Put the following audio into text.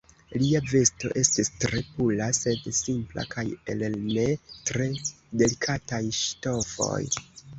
Lia vesto estis tre pura, sed simpla, kaj el ne tre delikataj ŝtofoj.